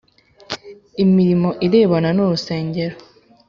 Imirimo irebana n urusengero